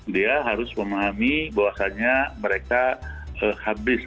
dia harus memahami bahwasannya mereka habis